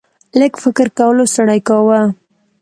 لږ فکر کولو ستړی کاوه.